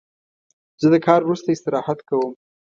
زه د کار وروسته استراحت کوم.